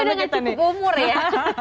ini udah ngacip umur ya